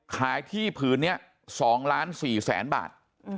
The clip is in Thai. ขายที่ผืนนี้๒๔ล้านบาท